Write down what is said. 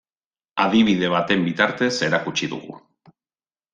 Adibide baten bitartez erakutsi dugu.